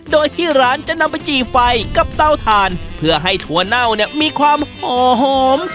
โดยที่ร้านจะนำไปจี่ไฟกับเตาถ่านเพื่อให้ถั่วเน่าเนี่ยมีความหอม